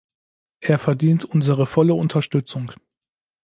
Er verdient unsere volle Unterstützung.